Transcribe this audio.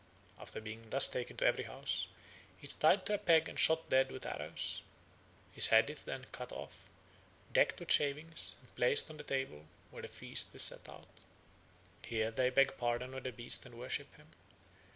After being thus taken to every house, he is tied to a peg and shot dead with arrows. His head is then cut off, decked with shavings, and placed on the table where the feast is set out. Here they beg pardon of the beast and worship him.